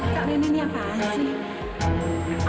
kak nenek ini apaan sih